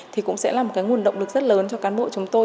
thì cũng sẽ là một cái nguồn động lực rất lớn cho cán bộ chúng tôi